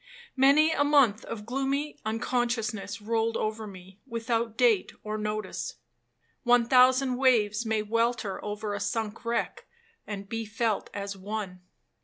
Many a month of gloomy unconsciousness rolled over me, without date or notice. One thousand waves may welter over a sunk wreck, and be felt as one.